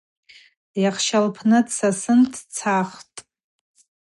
Йахща лпны дсасын дцахтӏ.